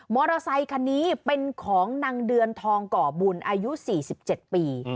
อเตอร์ไซคันนี้เป็นของนางเดือนทองก่อบุญอายุ๔๗ปี